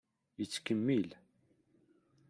Yettkemmil.